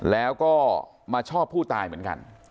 แล้วก็มาชอบผู้ตายเหมือนกัน